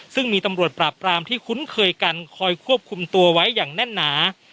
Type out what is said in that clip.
ซึ่งมีตำรวจปราบปรามที่คุ้นเคยกันคอยควบคุมตัวไว้อย่างแน่นหนา